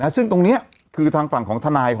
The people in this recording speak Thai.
ซึ่งตรงนี้คือทางฝั่งของทนาย